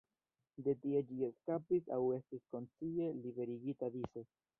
De tie ĝi eskapis aŭ estis konscie liberigita dise.